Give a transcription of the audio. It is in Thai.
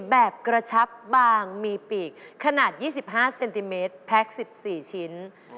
แบบกระชับบางมีปีกขนาด๒๕เซนติเมตรแพ็ค๑๔ชิ้น